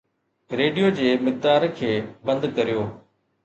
radio جي مقدار کي بند ڪريو